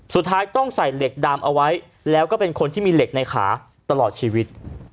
สุดท้ายต้องใส่เหล็กดามเอาไว้แล้วก็เป็นคนที่มีเหล็กในขาตลอดชีวิต